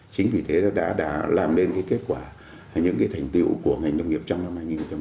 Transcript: chính vì thế đã làm nên cái kết quả những thành tiệu của ngành nông nghiệp trong năm hai nghìn một mươi tám